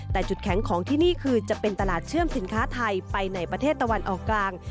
แต่จุดแข็งของที่นี่คือจะเป็นตลาดเชื่อมสินค้าไทยไปในประเทศตะวันออกกลาง